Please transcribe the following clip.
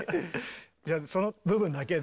じゃあその部分だけで。